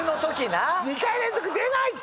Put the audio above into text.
２回連続出ないって！